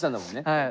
はい。